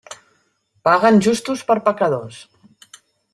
Paguen justos per pecadors.